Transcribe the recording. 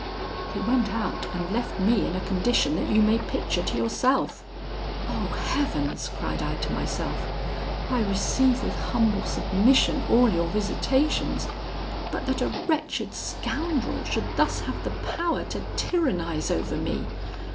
"He went out, and left me in a condition that you may picture to yourself. 'O Heavens!' cried I to myself, 'I receive with humble submission all your visitations; but that a wretched scoundrel should thus have the power to tyrannise over me!